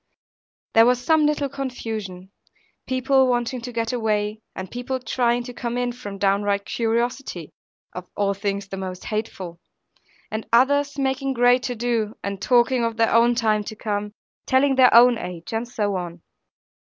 There was some little confusion, people wanting to get away, and people trying to come in, from downright curiosity (of all things the most hateful), and others making great to do, and talking of their own time to come, telling their own age, and so on.